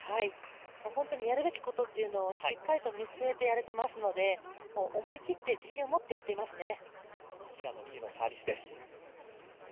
本当にやるべきことっていうのをしっかりと見据えてやれていますので思い切って自信を持ってやれていますね。